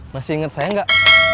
masih inget saya gak